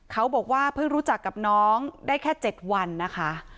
เขาบอกว่าเพิ่งรู้จักกับน้องได้แค่๗วันนะคะ